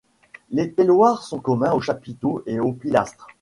Les tailloirs sont communs aux chapiteaux et au pilastres.